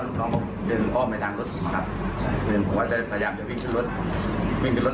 ระหว่างนั้นพยายามวิ่งหนีขึ้นรถ